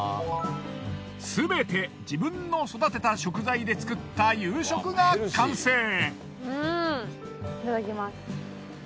すべて自分の育てた食材で作った夕食が完成。